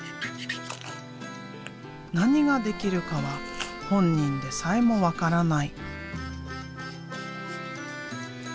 何が出来るかは本人でさえも分からない。